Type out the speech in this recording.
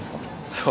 そう。